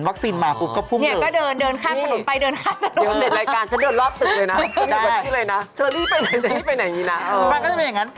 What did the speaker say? วันนี้ก็จะเป็นอย่างงั้น